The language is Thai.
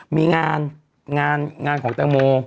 มีงานงานของแตงโม